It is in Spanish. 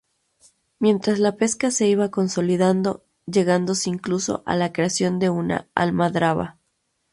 Mientras la pesca se iba consolidando, llegándose incluso a la creación de una almadraba.